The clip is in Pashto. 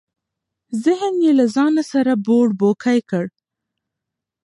ذهن یې له ځانه سره بوړبوکۍ کړ.